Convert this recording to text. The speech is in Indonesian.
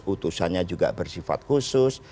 utusannya juga bersifat khusus